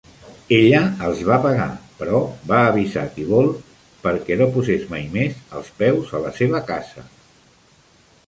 Ella els va pagar, però va avisar Thibault per que no poses mai més els peus a la seva casa.